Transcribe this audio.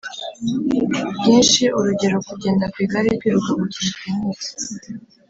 Bwinshi urugero kugenda ku igare kwiruka gukina tenisi